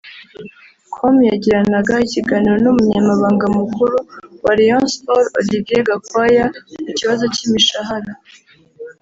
com yagiranaga ikiganiro n’umunyamabanga mukuru wa Rayon Sports Olivier Gakwaya ku kibazo cy’imishahara